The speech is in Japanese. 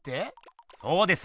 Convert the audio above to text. そうです。